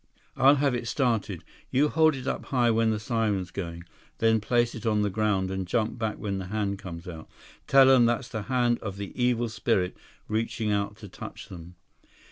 I'll have it started. You hold it up high when the siren's going. Then place it on the ground and jump back when the hand comes out. Tell them that's the hand of the evil spirit, reaching out to touch them."